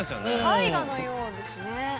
絵画のようですね。